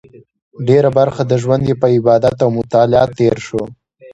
ډېره برخه ژوند یې په عبادت او مطالعه تېر شو.